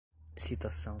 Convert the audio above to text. citação